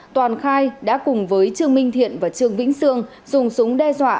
toàn khai đã cùng với trương minh thiện và trương vĩnh sương dùng súng đe dọa